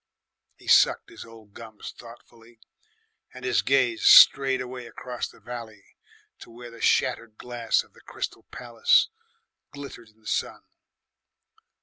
He sucked his old gums thoughtfully, and his gaze strayed away across the valley to where the shattered glass of the Crystal Palace glittered in the sun.